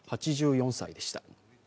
８４歳でした。